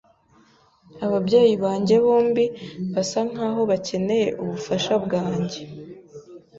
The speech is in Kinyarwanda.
Ababyeyi banjye bombi basa nkaho bakeneye ubufasha bwanjye